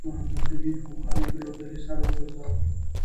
محمد نبي په مخالفې لوبډلې سر وګرځاوه